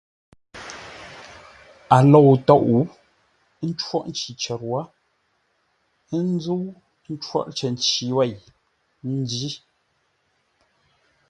A lou tóʼ, ə́ ncóghʼ nci cər wə́, ə́ nzə́u ńcóghʼ cər nci wêi ńjí.